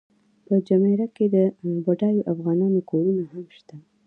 په جمیره کې د بډایو افغانانو کورونه هم شته.